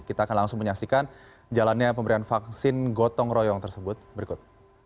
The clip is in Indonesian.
kita akan langsung menyaksikan jalannya pemberian vaksin gotong royong tersebut berikut